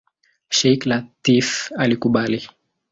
Sheikh Lateef alikubali.